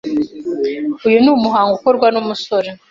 uyu ni umuhango ukorwa n’umusore